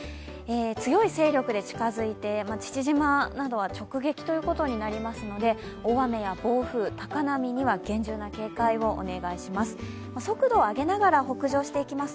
強い勢力で近づいて、父島などは直撃ということになりますので大雨や暴風、高波には厳重な警戒をお願いします。